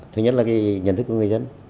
thứ nhất là cái nhận thức của người dân